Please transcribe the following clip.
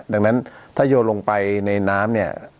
ดังนั้นถ้าโยนลงไปในน้ำเนี่ย